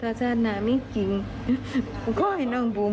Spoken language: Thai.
ทราชาหนามีกินเพราะค่อยน้องบูม